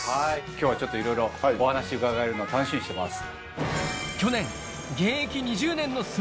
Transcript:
今日はいろいろお話伺えるのを楽しみにしてます。